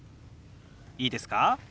いいですか？